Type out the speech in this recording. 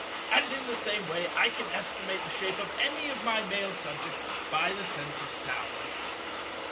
And in the same way I can estimate the shape of any of my Male subjects by the sense of sound."